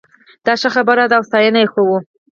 دا ښه خبره ده او ستاينه یې کوو